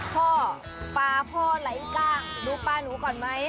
พ่อปลาพ่อไหลกล้างดูปลาหนูก่อนไหม